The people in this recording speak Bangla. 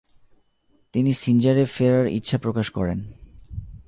তিনি সিনজারে ফেরার ইচ্ছা প্রকাশ করেন।